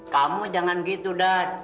kamu jangan gitu dad